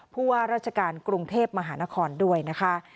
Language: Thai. ผู้ว่าราชการกรุงเทพมหานครด้วยนะคะ